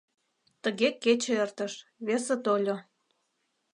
Тыге кече эртыш, весе тольо.